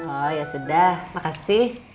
oh ya sudah makasih